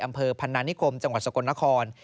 อำเภอพันนานิคมจังหวัดสกลนคร